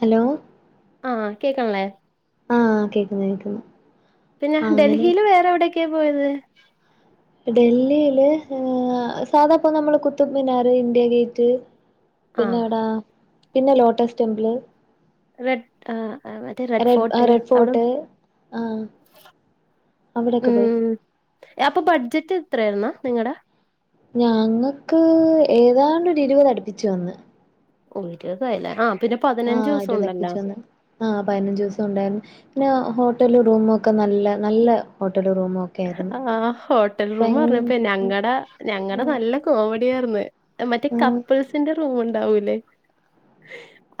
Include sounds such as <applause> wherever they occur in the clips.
Hello ആഹ് കേക്കണില്ലേ ആഹ് കേക്കുന്ന് കേക്കുന്നു പിന്നെ ആഹ് അങ്ങനെ ഡൽഹിയില് വേറെ എവിടൊക്കയാ പോയത് ഡൽഹിയില് ആ സാദാ ഇപ്പ നമ്മള് കുത്തുബ് മിനാർ ഇന്ത്യാഗേറ്റ് പിന്നെ ആഹ് എവടാ പിന്നെ ലോട്ടസ് ടെംപിള് റെഡ് ആ മറ്റേ റെഡ് ഫോർട്ട് റെഡ് അവിടെ ഫോർട്ട് ആഹ് അവിടെക്കെ പോയി ഉം അപ്പൊ ബഡ്ജറ്റ് എത്രായിരുന്നു നിങ്ങടെ ഞങ്ങക്ക് ഏതാണ്ട് ഒര് ഇരിപതടുപ്പിച്ചു വന്ന് <unintelligible> ആഹ് പിന്നെ പതിനഞ്ച് ആഹ് ദിവസം ഇരുപത് ഉണ്ടല്ലോ അടുപ്പിച്ചു വന്ന് ആഹ് പതിനഞ്ച് ദിവസം ഉണ്ടായിരുന്നു പിന്നെ ഹോട്ടല് റൂമൊക്കെ നല്ല നല്ല ഹോട്ടല് റൂമൊക്കെ ആ ഹോട്ടൽ റൂമ് പറഞ്ഞപ്പ ഞങ്ങടെ ഞങ്ങടെ ഉം നല്ല കോമഡിയായിർന്ന് മറ്റേ ഉം കപ്പിൾസിന്റെ റൂമ്ണ്ടാവൂലേ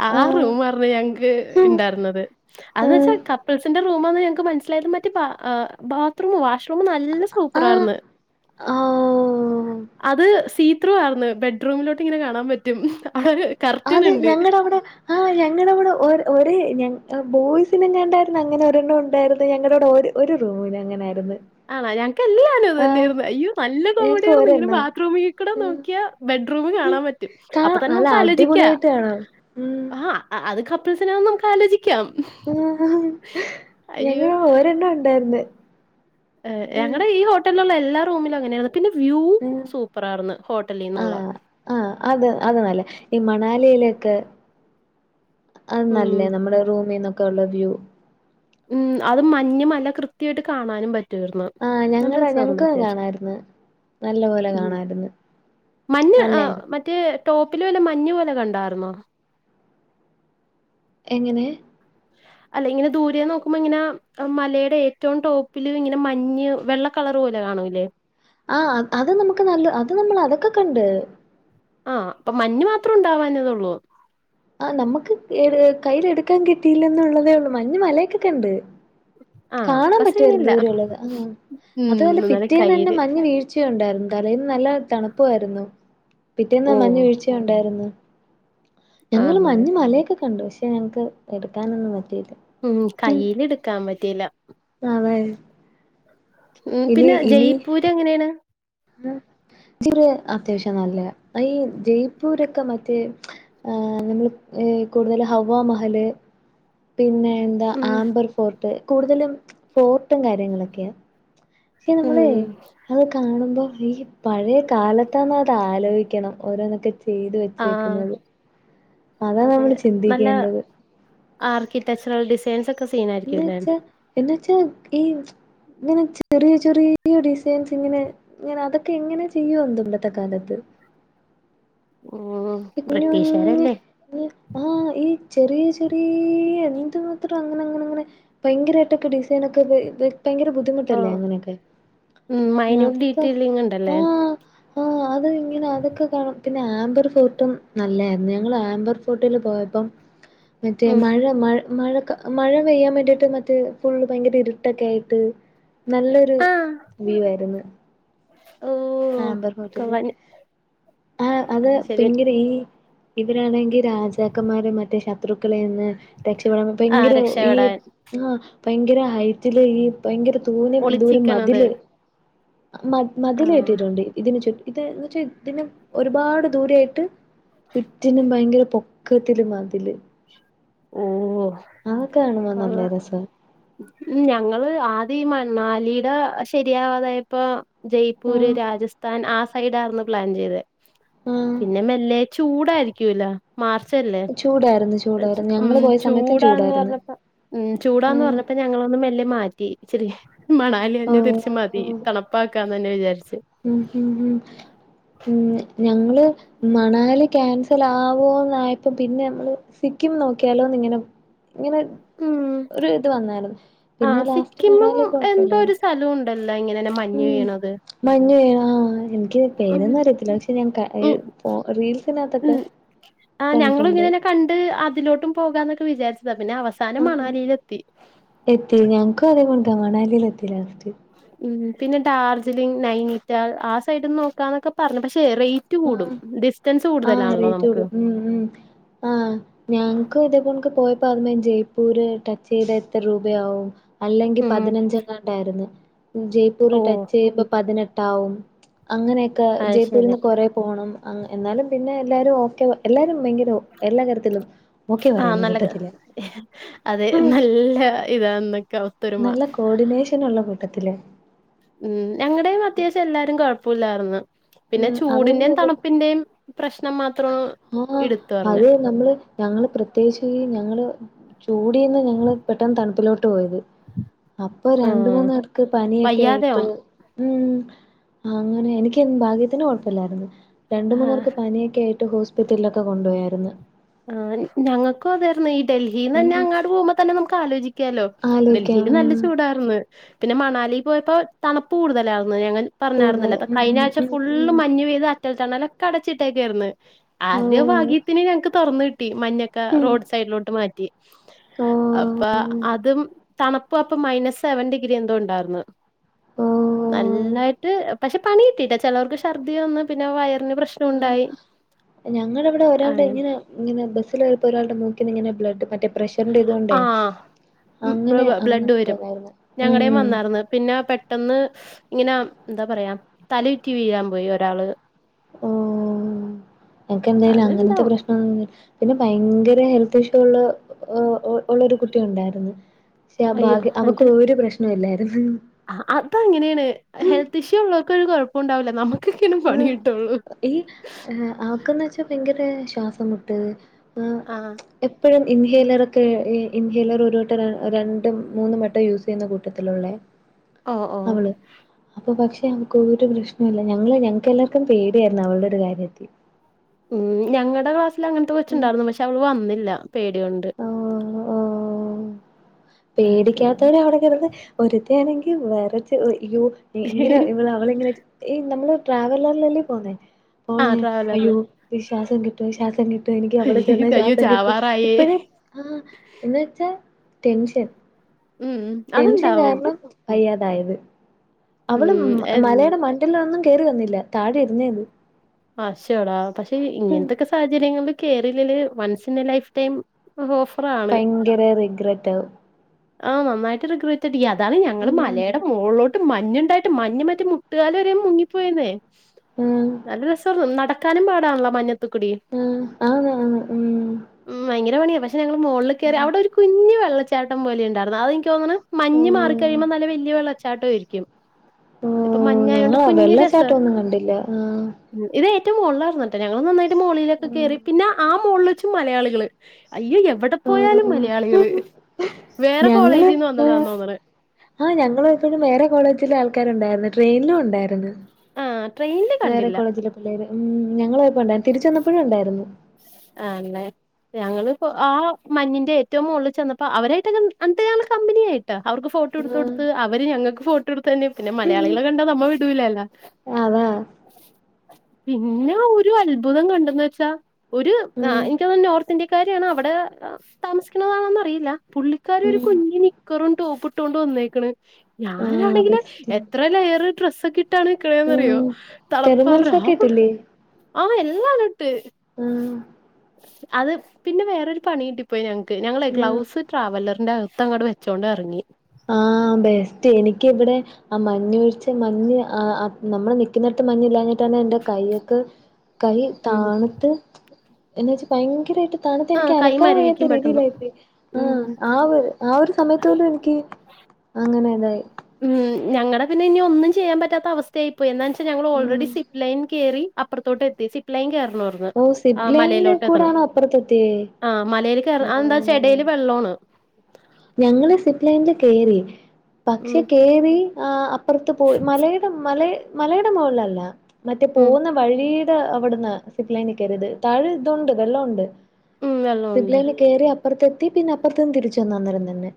ആ ആഹ് റൂമാറ്ന്നു ഞങ്ങക്ക് ഇണ്ടായിര്ന്നത് അത് ഉം വെച്ചാ കപ്പിൾസിന്റെ റൂ റൂമാന്ന് ഞങ്ങക്ക് മനസ്സിലായത് മറ്റേ ബാ ബാത്രൂം വാഷ് റൂം നല്ല ആഹ് സൂപ്പറാർന്ന് ഓ അത് സിത്രു ആയിര്ന്ന് ബെ ഡ്റൂമിലോട്ട്ങ്ങന കാണാൻ പറ്റും അത് അത് ഞങ്ങടെവടെ ആഹ് ഞങ്ങടെ ഇവടെ ഒര് ഒര് ഞങ്ങ ബോയ്സിനെങ്ങാണ്ടായിര്ന്ന് അങ്ങനോരെണ്ണം ഉണ്ടായിര്ന്നെ ഞങ്ങടെവടെ ഒര് ഒര് റൂമ്ന് അങ്ങനായിര്ന്ന് ആണോ ഞങ്ങക്ക് എല്ലാരും ഇതന്നെയായിരുന്നു അയ്യോ നല്ല ഞങ്ങക്ക് കോമഡിയാർന്ന് ഇങ്ങനെ ഒരെണ്ണം ബാത്റൂമി കൂടെ ആഹ് നോക്ക്യ ബെഡ്റൂമ് കാണാൻ പറ്റും അപ്പൊ കാണാം തന്നെ നല്ല നമുക്ക് ആലോചിക്ക അടിപൊളിയായിട്ട് കാണാം ഉം ആഹ് ആഹ് അത് കപ്പിൾസിനാന്ന് നമുക്ക് ആലോചിക്കാം. ആഹ് അയ്യോ! ഞങ്ങള് ഓരെണ്ണ ഉണ്ടാര്ന്നെ ഏഹ് ഞങ്ങടെ ഈ ഹോട്ടല്ള്ള എല്ലാ റൂമിലും അങ്ങനെയാണ് പിന്നെ വ്യൂ സൂപ്പറാർന്ന് ഹോട്ടലിന്നുള്ളെ ആഹ് ആഹ് അത് അത് നല്ല ഈ മണാലിലൊക്കെ അത് നല്ല നമ്മള് റൂമിന്നൊക്കെള്ള വ്യൂ. ഉം അത് മഞ്ഞ്മല കൃത്യായിട്ട് കാണാനും പ റ്റാർന്നു ആഹ് നല്ല ഞങ്ങടെ രസാർന്നു ഞങ്ങക്കും അത്യാവശ്യം കാണായിരുന്നു നല്ല പോലെ ഉം കാണായിരുന്നു മഞ്ഞ് ആഹ് നല്ലായിരുന്നു മറ്റേ ടോപ്പിലോല്ലെ മഞ്ഞു പോലെ കണ്ടാർന്നോ എങ്ങനെ അല്ല ഇങ്ങനെ ദൂരെന്ന് നോക്കുമ്പോ ഇങ്ങനെ മലേടെ ഏറ്റും ടോപ്പില് ഇങ്ങനെ മഞ്ഞ് വെള്ള കളറ് പോലെ കാണുലേ ആഹ് അത് നമുക്ക് നല്ല അത് നമ്മള് അതൊക്കെ കണ്ട്. ആഹ് അപ്പൊ മഞ്ഞ് മാത്രം ഉണ്ടാവാഞ്ഞതൊള്ളോ ആഹ് നമക്ക് ഏത് കയ്യ്ല് എട്ക്കാൻ കിട്ടിലാന്ന്ള്ളതേ ഒള്ളൂ മഞ്ഞ് മലയൊക്കെ കണ്ട് ആഹ് കാണാൻ അപ്പ പറ്റുവാര്ന്നു സീനില്ല ദൂരെള്ളത് ആഹ് ഉം അതു അല്ല എന്നാലും പിറ്റേന്നന്നെ കയ്യില് മഞ്ഞ് വീഴ് ച്ച്യണ്ടാർന്നു തലേന്ന് നല്ല തണ്പ്പുവായിരുന്നു ഓ പിറ്റേന്ന് മഞ്ഞ് വീഴ്ച്ച്യണ്ടായിരുന്നു. ഞങ്ങള് ആഹ് മഞ്ഞ് മലയൊക്കെ കണ്ടു പക്ഷെ ഞങ്ങക്ക് എട്ക്കാനൊന്നും പറ്റിയില്ല. ഉം കയ്യിലിട്ക്കാൻ പറ്റീല അതെ ഉം പിന്നെ ജയ്പൂര് എങ്ങനാണ് ചിറേ അത്യാവശ്യം നല്ലയ അയീ ജയ്പൂരൊക്കെ മറ്റേ ഏഹ് നമ്മള് ഏ കൂട്തല് ഹവ്വ മഹല് പിന്നെ എന്താ ഉം ആംബർ ഫോർട്ട് കൂടുതലും ഫോർട്ടും കാര്യങ്ങളൊക്കെയാ പക്ഷേ ഉം നമ്മളെ അത് കാണുമ്പോ ഈ പഴയ കാലത്താന്നത് ആലോയിക്കണം. ഓരോന്നൊക്കെ ചെയ്ത് ആഹ് വെച്ചേക്ക്‌ന്നത് അതെ നല്ല ആർക്കിടെക്ചറൽ ഡിസൈൻസൊക്കെ എന്ന് സീനായിരിക്ക്യുലേ വെച്ചാ എന്ന് വെച്ചാ ഈ ഇങ്ങനെ ചെറിയ ചെറിയ ഡിസൈൻസിങ്ങനെ ഇങ്ങനെ അതൊക്കെങ്ങനെ ചെയ്യോ എന്തോ ഇന്നത്തെ കാലത്ത് ഓഹ് ബ്രിട്ടീഷാരല്ലേ ആഹ് ഈ ചെറിയ ചെറീയ എന്തുമാത്ര അങ്ങനെ അങ്ങനങ്ങനെ. ഭയങ്കരായിട്ടൊക്കെ ഡിസൈനൊക്കെ ചെയ്ത് ഭയങ്കര ബു ഓ ദ്ധിമുട്ടല്ലേ അങ്ങനെയൊക്കെ ഉം മൈന്യൂട്ട് പിന്നതൊക്കെ ഡീറ്റെയിലിംഗ് ഉണ്ടല്ലേ ആഹ് ആഹ് അത് ഇങ്ങനെ അതൊക്കെ കാണുമ്പത്തി പിന്നെ ആബർ ഫോ ട്ടും നല്ലെയിര്ന്നെ ഞങ്ങള് ആംബർ ഫോർട്ടിൽ പോയപ്പം മറ്റേ ഉം മഴ മഴ മഴകാ മഴ പെയ്യാൻ വേണ്ടിട്ട് മറ്റേ ഫുള്ള് ഭയങ്കര ഇരുട്ടൊക്കായിട്ട് നല്ല രു ആഹ് വ്യൂ ആര്ന്ന് ഓ ആബർഫോർട്ടില് കൊള്ളാം. ആഹ് അത് രീ ഇവരാണെങ്കി രാജാക്കന്മാര മറ്റേ ശത്രുക്കളെയ്ന്ന് രക്ഷപ്പെടാൻ ആഹ് ഭയങ്കര ഈ രക്ഷപ്പെടാൻ ആഹ് ഭയങ്കര ഹൈ റ്റിൽ ഈ ഭയങ്കര തൂനം ദൂരം ഒളിച്ചിക്കണത് മതില് മതി മതില് ആഹ് കെട്ടിട്ടുണ്ട്. ഇതിന് ചു ഇത് വച്ചാ ഇതിന് ഒരുപാട് ദൂരായിട്ട് ചുറ്റിനും ഭയങ്കര പൊ ക്കത്തില് മതില് ഓഹ് അതൊക്കെ കാണുമ്പ നല്ല കൊള്ളാം രസാ ഉം ഞങ്ങള് ആദ്യം ഈ മണ്ണാലീട ശരിയാവാതായ പ്പൊ ജയ്പൂര്, ആഹ് ആ സൈഡായ്രുന്നു പ്ലാൻ ചെയ്തെ. ആഹ് പിന്നെ മെല്ലെ ചൂടായിരിക്കൂലോ മാർച്ചല്ലേ ചൂടായിരുന്നു ചൂടായിരുന്നു ഉം ഞങ്ങള് പോയ സമയത്തും ചൂടാന്ന് ചൂടായിരുന്നു പറഞ്ഞപ്പ ഉം ചൂടാന്ന് ആഹ് പറഞ്ഞപ്പ ഞങ്ങളൊന്നു മെല്ലെ മാറ്റി. ഇച്ചിരി മണാ ലി തന്നെ തിരിച്ച് മതി ഓഹ് തണുപ്പാക്കാന്നന്നെ വിചാരിച്ച് ഉം ഹും ഹും ഉം ഞങ്ങള് മണാലി ക്യാൻസൽ ആവോന്നായപ്പം പിന്നെ നമ്മള് സിക്കിം നോക്കിയാലോന്ന് ഇങ്ങനെ ഇങ്ങനെ ഉം ഒരു ഇത് വന്നായ്രുന്ന് ആഹ് സിക്കിമും എന്തോ ഒരു സ്ഥലവും ഉണ്ടല്ലോ ഇങ്ങനെന്നെ മഞ്ഞു വീഴണത് മഞ്ഞു വീഴ്ണ ആഹ് എനിക്ക് പേരൊന്നും അറിയത്തില്ല പക്ഷെ ഞാൻ ക അയി ഉം ഫോ റീൽസിനകത്തൊക്കെ ഉം ആഹ് ഞങ്ങളും കണ്ടിട്ടുണ്ട് ഇങ്ങനെന്നെ കണ്ട് അതിലോട്ടും പോകാന്നൊക്കെ വിചാരിച്ചതാ പിന്നെ അവസാനം ആഹ് മണാലിയിലെത്തി. എത്തി ഞങ്ങക്കും അതെ <unintelligible> മണാലീലെത്തി ലാസ്റ്റ് ഉം പിന്നെ ഡാർജിലിംഗ് നൈനിറ്റാൾ ആ സൈഡ് ന്ന് നോക്കാന്നൊക്കെ പറഞ്ഞു. പക്ഷെ റെയ് റ്റ് കൂടും ആഹ് ഡിസ്റ്റൻസ് ആഹ് കൂടുതലാണല്ലോ റേറ്റ് നമുക്ക് കൂടും ഉം ഉം ആഹ് ഞങ്ങക്ക് ഇതേ പോണൊക്കെ പോയപ്പോ <unintelligible> ജയ്പൂര് ടച്ചെയ്ത എത്ര രൂപയാവും അല്ലെങ്കി ഉം പതിനഞ്ചെങ്ങാണ്ടായിരുന്ന് ജയ്പൂര് ഓഹ് ടച്ചെയ്യുമ്പം പതിനെ ട്ടാവും അങ്ങനെയക്കെ അത് ജയ്പൂരി ശരി ന്ന് കൊറേ പോണം അങ് എന്നാലും പിന്നെ എല്ലാവരും ഓക്കെ എല്ലാരും ഭയങ്കര എല്ലാ കാര്യത്തിലും ഓക്കെ ആഹ് പറയുന്ന നല്ല കൂട്ടത്തിലാ അതെ നല്ല ഇതാന്നൊക്കൊ നല്ല കോഡിനേഷനുള്ള കൂട്ടത്തിലാ ഉം ഞങ്ങടെം അത്യാവശ്യം എല്ലാരും കുഴപ്പുല്ലാര്ന്ന് പിന്നെ ഉം ചൂടിന്റേം അതൊന്നുല്ല തണുപ്പിന്റേം പ്രശ്നം മാത്രം ഇടുത്തു പറഞ് പ്പം നമ്മള് ഞങ്ങള് പ്രത്യേകിച്ച് ഞങ്ങള് ചൂടിന്ന് ഞങ്ങള് പെട്ടെന്ന് തണുപ്പിലോട്ട് പോയത് അപ്പൊ രണ്ട് ആഹ് മൂന്ന് പേർക്ക് പനിയൊക്കേയിട്ട് വയ്യാതെയാവും ഉം അങ്ങനെ എനിക്ക് ഭാഗ്യത്തിന് കൊഴപ്പി ല്ലായിര്ന്ന്. രണ്ട് മൂന്ന് ആഹ് പേർക്ക് പനിയൊ ക്കെയിട്ട് ഹോസ്പിറ്റൽലൊക്ക കൊണ്ടു പോയാര്ന്ന് ആഹ് ഞങ്ങക്കും അതായിരുന്ന്. ഈ ഡൽഹീന്നന്നെ ഉം അങ്ങാട് പോകുമ്പ തന്നെ നമുക്ക് ആലോചി ക്ക്യാലോ. ആലോയിക്കാം ഡൽഹീല് ഉം നല്ല ചൂടാർന്ന്. പിന്നെ മണാലി പോയപ്പോ തണ്പ്പ് കൂടുതലാര്ന്ന്. ഞങ്ങൻ കൂടുതൽ പറഞ്ഞായിരുന്നല്ല. അപ്പ ഉം കഴിഞ്ഞാഴ്ച്ച ഉം ഫുള്ള് ഉം മഞ്ഞ് പെയ്ത ട്ടൽ ടണലൊക്കെ അടച്ചിട്ടേക്കാര്ന്ന് ഓ ആരുടെയോ ഭാഗ്യത്തിന് ഞങ്ങക്ക് തൊറന്ന് കിട്ടി. മഞ്ഞൊ ക്ക ഉം റോഡ് സൈഡിലോട്ട് മാറ്റി. ഓ അപ്പ അതും തണുപ്പ് അപ്പം മൈനസ് സെവൻ ഡിഗ്രി എന്തോ ഉണ്ടായിർന്ന്. ഓ നല്ലായിട്ട് പക്ഷെ പണികിട്ടിട്ട ചിലർക്ക് ഷർദി വന്ന് പിന്നെ വയറിന് പ്രശ് ആഹ്. ഞങ്ങടവിടെ ഒരാൾടെ അങ്ങനെ ഇങ്ങിന ഇങ്ങനെ ബസില് പൊയപ്പോ ഒരാളുടെ മൂക്കിന്ന് ഇങ്ങനെ ബ്ലഡ് മറ്റേ പ്രഷറിന്റെ ഇതുകൊണ്ടേ ഉം ബ അങ്ങനെ ബ ബ്ലഡ് അങ്ങനെയൊക്കെ വരും. ഇതായിരുന്നു ഞങ്ങടെം ഉം വന്നാർന്ന് പിന്ന പെ ട്ടെന്ന് ഇങ്ങനെ എന്താ പറയാ തലയുറ്റി വീഴാൻ പോയി ഒരാള് ഓഹ്. ഞങ്ങക്ക് എന്തായാലും അങ്ങനത്തെ അത്ണ്ടാവും പ്രശ്നം ഒന്നുല്ല പിന്നെ ഭയങ്കര ഹെൽത്ത് ഇഷ്യൂ ഉള്ള ഉ ഉള്ളരു കുട്ടി ഉണ്ടായിരുന്ന് ക്ഷെ അയ്യോ ബാഗ് അവക്ക് ഒരു പ്രശ്നൊ ഇല്ലായിര്ന്ന് അ അതങ്ങനെയാണ് ഹെൽത്ത് ഇഷ്യൂ ഉള്ളവർക്കൊ ഒരു കുഴപ്പം ണ്ടാവില്ല നമുക്കൊക്കെണ് പണി ആഹ് കിട്ടുള്ളൂ ഈ ആവക്കെന്ന് വെച്ചാൽ ഭയങ്കര ശ്വാസമുട്ടല് ആഹ് എപ്പോഴും ഇൻഹേലറൊക്കെ ഇൻഹേലർ ഒരു വട്ടം രണ്ടും മൂന്നും വട്ടം യൂസ് ചെയ്യുന്ന കൂട്ടത്തിലുള്ള ഓ ഓ അവള് അപ്പൊ പക്ഷെ അവക്ക് ഒരു പ്രശ്നല്ല ഞ- ഞങ്ങള് ഞങ്ങക്ക് എല്ലാവർക്കും പേടിയായിരുന്നു അവളടെ ഒരു കാര്യത്തിൽ ഉം ഞങ്ങടെ ക്ലാസ്സില് അങ്ങനത്തെ കൊച്ചുണ്ടായിരുന്നു പക്ഷെ അവള് വന്നില്ല പേടികൊണ്ട് ആ, പിന്നെ പേടിക്കാത്തവരെ അവിടെ കെടന്ന് ഒരുത്തയാണെങ്കിൽ വേറെച്ച് യൊ - ഇങ്ങനെ ഇ അവള ഇങ്ങനെ ഈ നമ്മള് ട്രാവലറിൽല്ലേ പോന്നേ പോണെ ആഹ് ട്രാവലറില് അയ്യോ ശ്വാസം കിട്ടൊ ശ്വാസം കിട്ടൊ എനിക്ക് അവിടെ ചെന്നാ ശ്വാസം കിട്ടൊ ആയേ ആ എന്ന വെച്ചാൽ ടെൻഷൻ ഉം ഉം ടെൻഷൻ കാരണം വയ്യാതായത് അവള് ഉം മലയാള മ- ടിലോന്നും കേറി വന്നില്ല താഴെ ഇരുന്നേള്ളൂ ആശോടാ പക്ഷെ ഇങ്ങനത്തൊക്കെ സാഹര്യങ്ങള് കേറില്ലേൽ once in a life time ഉഫ് ഭയങ്കര റിഗ്രറ്റവും ആ നന്നായിട്ട്റിഗ്രേറ്റ്ടിക്കു അതാണ് ഞങ്ങള്ൾ ഉം മലയുടെ മോളിലോ മഞ്ഞുണ്ടായിട്ട് മഞ്ഞഞ് മറ്റ മുട്ടുകാല വര മുങ്ങിപ്പോയന്നേ ആഹ് നല്ല രസ നാടാ കാണുമ്പാടാണല്ലോ മഞ്ഞത്തക്കുടി ആ ആണ് ആണ് ഉം ഉ ഭയങ്കര പണിയാ പക്ഷെ ഞങ്ങള് മുകളിൽ കയറി ഉം അവിടെ ഒരു കുഞ്ഞു വെള്ളച്ചാട്ടം പോലെ ഉണ്ടായിരുന്നു അതെനിക്ക് തോന്നണ മഞ്ഞ് ഓഹ് മാറിക്കഴിയുമ്പോ നല്ല വല്യ വെള്ളച്ചാട്ടം ആരിക്കും ഇപ്പൊ ഓഹ് മഞ്ഞായോണ്ട് ഞങ്ങളാ കുഞ്ഞി രസ- വെള്ളച്ചാട്ടൊന്നും കണ്ടില്ല ആഹ് ഉ ഇത് ഏറ്റവും മുകളിലറന്നട്ടെ ഞങ്ങൾ നന്നായിട്ട് മുകളളിലൊക്കെ കയറി പിന്നെ ആ മുകളിൽ ച് മലയാളികള് അയ്യോ എവിടെ പോയാലും ഓഹ് മലയാളികള് വേറെ കോളേജിൽ നിന്ന് വന്നതാ തോന്നണ ആ ഞങ്ങളൾ എപ്പോഴും വേറെ കോളേജിലെ ആൾക്കാരുണ്ടായിരുന്നു ട്രെയിനിലും ഉണ്ടായിരുന്നു ആഹ് ട്രെയിനില് വേറെ കണ്ടില്ല കോളേജിലെ പിള്ളേര് ഉ ഞങ്ങയപ്പോ ഉണ്ടായിരുന്നു തിരിച്ച വന്നപ്പോഴും ഉണ്ടായിരുന്നു ആണ്ല്ലേ ഞങ്ങള് പ്പൊ ആ മഞ്ഞിന്റെ ഏറ്റവും മള്ളിൽ ചെന്നപ്പോ അവരായിട്ടൊക്കെ എന്ത കമ്പനിയായി ട്ട അവർക്ക് ഫോട്ടോ എടുത്ത കൊടുത്ത് അവര് ഞങ്ങൾക്ക് ഫോട്ടോ എടുത്ത്തന്ന് പിന്നെ ആഹ് മലയാളികളെ കണ്ടാ നമ്മ വിടൂലല്ലോ അതാ പിന്നെ ഒരു അത്ഭുതം കണ്ടന്ന് വെച്ചാ ഒരു ഉം എനിക്കത നോർത്ത് ഇന്ത്യക്കാരാണ് അവിടെ താമസിക്കുന്നതാണന്ന അറിയില്ല പുള്ളി ക്കാരി ഒരു ഉം കുഞ്ഞന് നിക്കറും ടോപ്പിട്ടൊണ്ട് വന്നേക്കണ് ആഹ് ഞാനാണെങ്കില് ബെസ്റ്റ് എത്ര ലേയറ് ഡ്രസ്സൊക്കെ ഉം ഇട്ടാണ്ക്കളന്ന്റിയോ തളപ്പാ തെർമൽസൊക്കെ <unintelligible> ഇട്ടില്ലേ ആഹ് എല്ലാ ലട്ട് ഉം അത് പിന്നെ വേറൊരു പണി കിട്ടി പോയി ഞങ്ങക്ക് ഞങ്ങളെ ആഹ് ഗ്ലൗസ് ട്രാവലറിന്റെ അകത്ത് അങ്ങോട്ട വെച്ചുകോണ്ട് ഇറങ്ങി ആഹ് ബെസ്റ്റ് എനിക്കിവിടെ ആ മഞ്ഞൊഴിച്ച് മഞ്ഞ് നമ്മള് നിക്കുന്നിടത്ത് മഞ്ഞ ഇില്ലഞ്ഞിട്ടന്ന എൻറെ കൈ്യൊക്ക് കൈ ഉം താന്നട്ട് എന്നാ വെച്ചാ ഭയങ്കരയിട്ട് തണുത്തു ആഹ് എനിക്ക് കൈ അനക്കാൻ വയ്യാത്ത മരവിക്കും പെട്ടെന്ന് രീതിയിലായിപോയി ആ ഉം ആ ആ ഒരു സമയത്ത പോലും എനിക്ക് അങ്ങനെ അതായി ഉം ഞങ്ങളടെ പിന്നെ ഇനി ഒന്നും ചെയ്യാൻ പാത്ത അവസ്ഥയായിപ്പോയി എാ വെച്ചാൽ ഞങ്ങൾ ഉം ഓൾറെഡി സി - ലൈൻ കയറി അപ്പറത്തോട്ട എത്തി സിപ് ലൈൻ കേറണമായിരുന്നു ഓ സിബ് ആഹ് ലൈനില് മലയിലോട്ട് എത്തണം കൂടാണോ അപ്പുറത്തെത്തിയേ ആഹ് മലൽ ക എന്താ ഓ ചെടയില് വെള്ളമാണ് ഞങ്ങള് സിപ്പ് ലൈനിൽ കേറി ഉം പക്ഷെ കേറി പ്പറത്ത് പോയി മലയിട മല മലട മുകളിലല്ല മറ്റേ ഉം പോകുന്ന വഴി ട്ട അവിടുന്ന് സിപ്ലൈനി കേറിത് താഴെ ഇതുണ്ട് വെള്ളണ്ട് ഉം വെള്ളോണ്ട് സിപ്ലൈനി കേറി അപ്പുറത്തെത്തി പിന്നെ അപ്പുറത്ത് നിന്ന് തിരിച്ച് വന്ന് അന്നേരം തന്നെ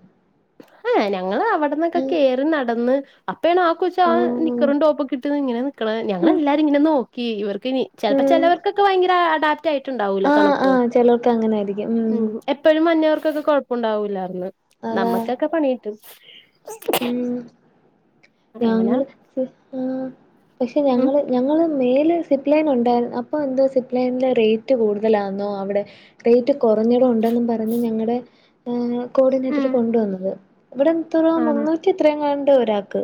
ആഹ് ഞങ്ങള് അവിടന്നൊക്കെ കേറി നടന്ന് അപ്പ ആണ് ആ കൊച്ച് ആ ഉം നിക്കറും ടോപ്പും ഒക്കെയിട്ട് ഇങ്ങനെ നിക്കണേ ഉം ഞങ്ങളെല്ലാരും ഇങ്ങനെ നോക്കി ഇവർക്ക് നി ചെലപ്പോ ഉം ചെലവർക്കൊക്കെ ഭയങ്കര അഡാപ്റ്റ് ആയിട്ട്ണ്ടാവൂലോ ആഹ് തണുപ്പ് ആഹ് ചെലോർക്ക് അങ്ങനെ ആയിരിക്കും ഉം എപ്പോഴും മഞ്ഞവർക്കൊക്കെ കൊഴപ്പുണ്ടാവൂല്ലാർന്ന് അതാ നമ്മക്കൊക്കെ പണികിട്ടും. ഉം അങ്ങനെ ഞങ്ങള് ഇ പാ പക്ഷെ ഉം ഞങ്ങള് ഞങ്ങള് മേല് സിപ്ലൈൻ ഉണ്ടായി അപ്പൊ എന്തോ സിപ്ലൈന്റെ റേറ്റ് കൂടുതലാന്നോ അവിടെ റേറ്റ് കൊറഞ്ഞടം ഉണ്ടെന്നും പറഞ്ഞ് ഞങ്ങടെ ആഹ് കോർഡിനേറ്റർ ഉം കൊണ്ടുവന്നത് ഇവിടെ എത്ര ആണോ മുന്നൂറ്റി എത്രയങ്ങാണ്ട ഒരാക്ക്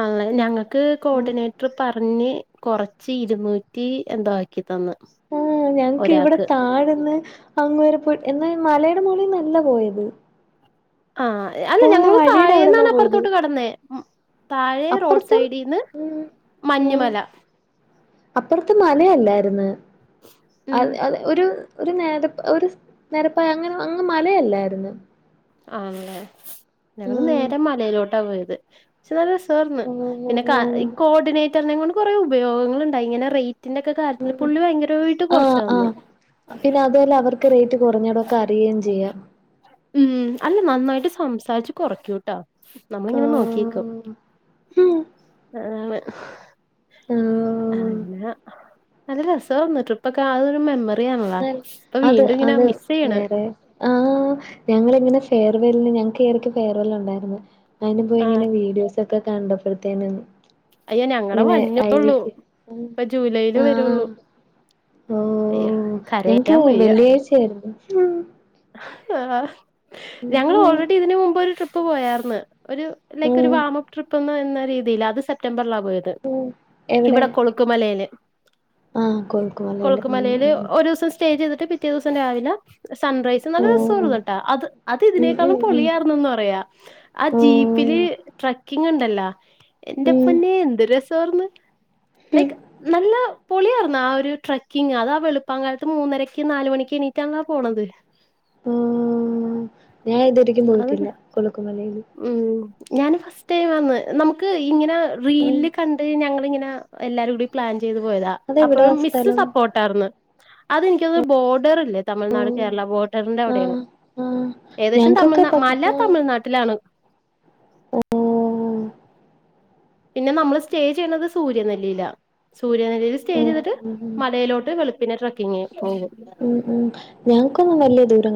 ആഹ് ഞങ്ങക്ക് കോഡിനേ റ് പറഞ്ഞ് കൊറച്ച് ഇരുന്നൂറ്റി എന്തോ ആക്കി തന്ന്. ആഹ് ഞങ്ങക്ക് ഇവിടെ ഒരാക്ക് താഴന്ന് അങ്ങ് വരെ പോയി എന്നാ മലയുടെ മോളിൽന്നല്ല പോയത് ആഹ് അല്ല പോകുന്ന ഞങ്ങളും വഴിയുടെ അവിടെന്നാ താഴേന്നാണ് പോയത് അപ്പുറത്തോട്ട് കടന്നെ താഴെ റോഡ് അപ്പുറത്തും സൈഡിന്ന് മഞ്ഞുമല അപ്പറത്ത് മലയല്ലാര്ന്ന് ഉം അത് അത് ഒരു ഒര് നെര ഒര് നെരപ്പായ അങ്ങനെ അങ്ങ് മലയല്ലായിരുന്നു ആണല്ലേ ഞങ്ങള് ഉം നേരെ മലയിലോട്ടാ പോയത്. പക്ഷെ നല്ലരസർന്ന് പിന്നെ ക ഈ കോർഡിനേറ്ററിനെ കൊണ്ട് കൊറെ ഉപയോഗങ്ങളുണ്ടായി ഇങ്ങനെ റേ പിന്നൊക്കെ കാര്യത്തില് പുള്ളി ഭയങ്കരമായിട്ട് കൊറച്ച് ആഹ് തന്ന്. ആഹ് പിന്നെ അതുപോലെ അവർക്ക് റേറ്റ് കുറഞ്ഞതൊക്കെ അറിയേം ചെയ്യാം ഉം അല്ല നന്നായിട്ട് സംസാരിച്ച് കൊറയ്ക്കും. ട്ടോ നമ്മളിങ്ങനെ നോക്കിക്കും ഹും ആ ന്നെ ആഹ് പിന്നെ നല്ല രസറ്ന്ന് ട്രിപ്പൊക്കെ അതൊരുമെമ്മറി അറിയാമോളെ അപ്പൊ അത് വീണ്ടും ഇങ്ങനെ അത് മിസ് ചെയ്യണ്. വേറെ ആഹ് ഞങ്ങള് ഇങ്ങനെ ഫെയർവെല്ലിന് ഞങ്ങൾക്ക് ഇയടക്ക് ഫെയർവെല്ല് ഒണ്ടായിര്ന്ന് അതിന്പ്പോ ആ ഇങ്ങനെ വീഡിയോസക്കെ കണ്ടപ്പോഴത്തേനും അയ്യോ ഞങ്ങടെ ഇങ്ങനെ വഞ്ഞള്ളൂ അയിലേക്ക് ഇപ്പൊ ജൂലൈല് വരുള്ളൂ ആഹ് അയ്യോ ക്കര ക്ക് വെള്ളിയാഴ്ചയായിരുന്ന് ആഹ്.. ഞങ്ങള് ഉം ഓൾറെഡി ഇതിന് മുമ്പ് ഒരു ട്രിപ്പ് പോയാർന്ന് ഒരു ലൈക്ക് ഒരു ഉം വാമപ് ട്രിപ്പ്ന്ന് എന്ന എന്ന രീതിയില അത് സെപ്റ്റംബറിലാ പോയത് എവിടെ ഇവിടെ കൊള ളുക്കുമലയില് ആഹ് കൊഴുക്കുമലയില് ഉം കൊളുക്കുമലയില് ഉം ഒരു ദിവസം സ്റ്റേ സ്റ്റേ ചെയ്തിട്ട് പിറ്റേ ദിവസം രാവിലെ സൺറൈസ് നല്ല രസാർന്ന് ഓഹ് കേട്ടാ അത് അത് ഉം ഉം ഇതിനേക്കാളും ഉം പൊളിയാർന്നുന്ന് പറയാ ആഹ് ഓ ജീപ്പില് ട്രക്കിങ് ഉണ്ടല്ലോ എന്റെ ഉം പൊന്നെ എന്ത് രസാർന്ന് ഉം ലൈക് നല്ല പൊളിയാർന്നാ ആ ഒരു ട്രക്കിംഗങ് അതാ വെളുപ്പാകാലത്ത് മൂന്നരക്ക് നാല് മണിക്ക് എണീറ്റാണല്ലോ പോണത് ഉമ്മ്മ്മ്മ്മ്.. ഞാൻ ഇതൊവരെക്കും അത് പോയിട്ടില്ല കൊളുക്കുമലയിയില്. ഉം ഞാനുംഫസ് ഫസ്റ്റ് ടൈമാന്ന് നമുക്ക് ഇങ്ങനെ ഉം റീലില് കണ്ട് ഞങ്ങളിങ്ങനെ എല്ലാവാരും കൂടി പ്ലാൻ ചെയ്ത് പോയതാ അതെവിടാ അപ്പോഴും മിസ്സ് സ്ഥലം സപ്പോർട്ടാർന്ന് അതെനിക്കത് ബോർഡറില്ലേ ഓ തമിഴ്നാട് കേരള ബോർഡറിന്റെ അവിടെയാണ്. ആഹ് ആഹ് ഏകദേശം ഞങ്ങക്കൊക്കെ തമിഴ്ന പ മല തമിഴ്നാട്ടിലാണ്. ഓ പിന്നെ നമ്മള് സ്റ്റേ ചെയ്യണത് സൂര്യനെല്ലിയിലാ സൂര്യനെിലിയില് സ്റ്റേ ഓ ചെയ്തിട്ട് ഉം മലയിലോട്ട് വെളു പിന്നെ ട്രക്കിങ്ങ് ഓവും ഉം ഉം ഞങ്ങക്കൊന്നും വല്ല്യ ദൂരം